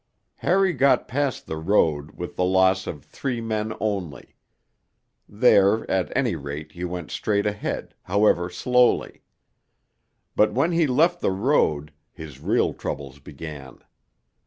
Harry got past the road with the loss of three men only; there, at any rate, you went straight ahead, however slowly. But when he left the road, his real troubles began.